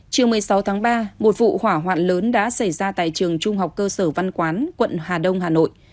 chiều một mươi sáu tháng ba một vụ hỏa hoạn lớn đã xảy ra tại trường trung học cơ sở văn quán quận hà đông hà nội